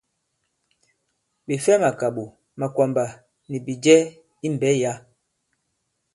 Ɓè fɛ màkàɓò, màkwàmbà nì bìjɛ i mbɛ̌ yǎ.